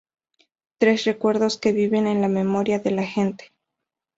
Tres recuerdos que viven en la memoria de la gente.